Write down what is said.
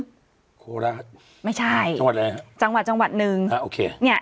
จังหวัดหนึ่งโคลาไม่ใช่จังหวัดอะไรครับจังหวัดจังหวัดหนึ่งอ่าโอเคเนี้ย